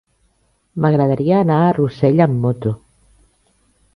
M'agradaria anar a Rossell amb moto.